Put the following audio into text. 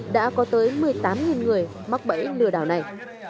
đã có tới một mươi tám người mắc bẫy lừa đảo này